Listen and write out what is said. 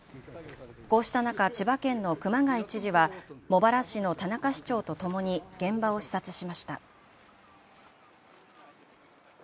こうした中、千葉県の熊谷知事は茂原市の田中市長とともに現場を視察しました。